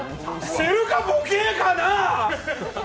知るかボケーかなあ？